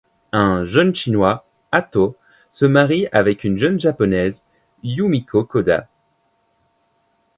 Un jeune chinois, Ah To, se marie avec une jeune japonaise, Yumiko Koda.